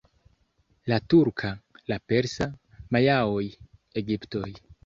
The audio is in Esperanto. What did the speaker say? La turka, la persa, majaoj, egiptoj.